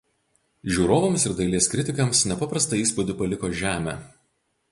Žiūrovams ir dailės kritikams nepaprasta įspūdį paliko „Žemė“.